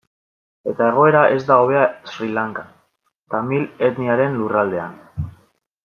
Eta egoera ez da hobea Sri Lankan, tamil etniaren lurraldean.